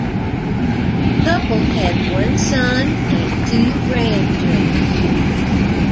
The couple had one son and two grandchildren.